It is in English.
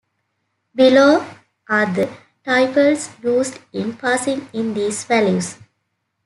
Below are the TypeIds used in passing in these values.